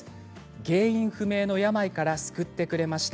原因不明の病から救ってくれました。